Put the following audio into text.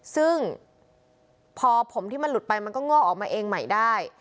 ซึ่งพอผมที่มันหลุดไปมันก็งอกออกมาเองใหม่ได้